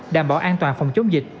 đảm bảo an toàn phòng chống dịch